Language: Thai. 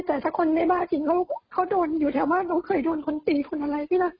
แต่ไม่เคยกกในรั้วเขาไม่ได้เหมือนคนปกติ